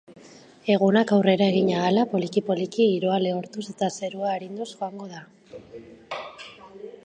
Egunak aurrera egin ahala, poliki-poliki giroa lehortuz eta zerua arinduz joango da.